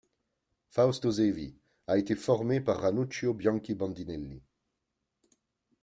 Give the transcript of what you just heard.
Fausto Zevi a été formé par Ranuccio Bianchi Bandinelli.